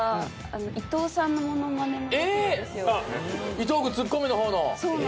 伊藤君ツッコミの方の。えっ！？